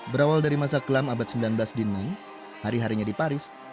berawal dari masa kelam abad sembilan belas din man hari harinya di paris